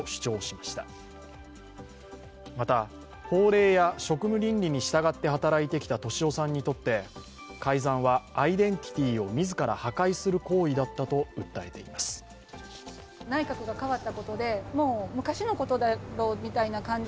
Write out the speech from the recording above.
また、法令や職務倫理に従って働いてきた俊夫さんにとって改ざんはアイデンティティーを自ら破壊する行為だったと訴えていました。